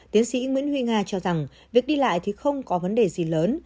tiến sĩ nguyễn huy nga cho rằng việc đi lại thì không có vấn đề gì lớn